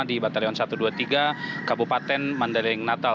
di batalion satu ratus dua puluh tiga kabupaten mandailing natal